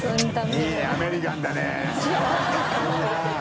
いいねアメリカンだね。